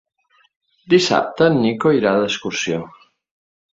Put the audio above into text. Dissabte en Nico irà d'excursió.